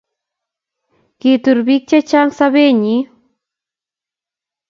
Kitur biik Chechang' Sobeenyi